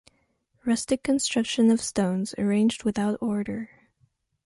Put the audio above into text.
Rustic construction of stones arranged without order.